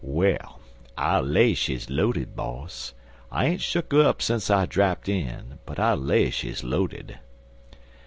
"Well, I lay she's loaded, boss. I ain't shuk her up sence I drapt in, but I lay she's loaded."